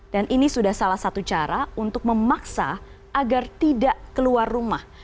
dan ini sudah salah satu cara untuk memaksa agar tidak keluar rumah